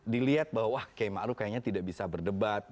dilihat bahwa wah kiai ma'ruf kayaknya tidak bisa berdebat